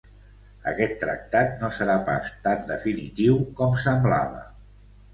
Aquest tractat no serà pas tan definitiu com semblava.